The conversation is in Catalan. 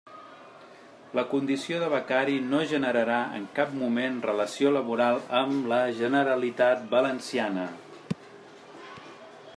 La condició de becari no generarà en cap moment relació laboral amb la Generalitat Valenciana.